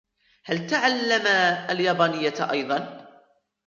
هل تَعَلَمَ اليابانية أيضاً ؟